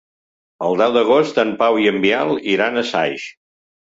El deu d'agost en Pau i en Biel iran a Saix.